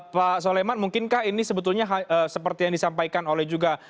pak soleman mungkinkah ini sebetulnya seperti yang disampaikan oleh juga